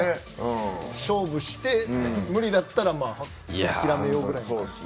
勝負して無理だったらば諦めようぐらいで。